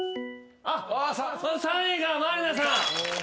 ３位が満里奈さん。